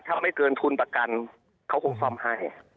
ถ้าไม่เกินทุนประกันเขาคงซ่อมให้